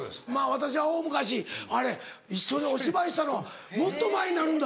私は大昔あれ一緒にお芝居したのもっと前になるんだ。